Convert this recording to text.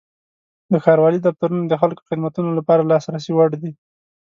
د ښاروالۍ دفترونه د خلکو خدمتونو لپاره د لاسرسي وړ دي.